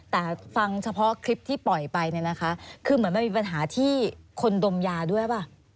แต่ฟังเฉพาะคลิปที่ปล่อยไปมันมีปัญหาที่คนดมยาด้วยหรอ